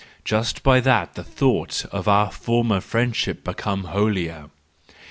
Just by that shall the thought of our former friendship become holier!